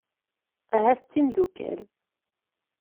Ahat d timeddukal.